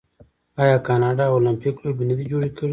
آیا کاناډا المپیک لوبې نه دي جوړې کړي؟